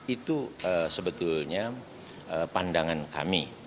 itu sebetulnya pandangan kami